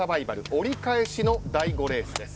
折り返しの第５レースです。